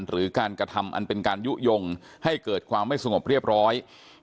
หรือการกระทำอันเป็นการยุโยงให้เกิดความไม่สงบเรียบร้อย